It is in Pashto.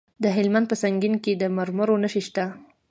د هلمند په سنګین کې د مرمرو نښې شته.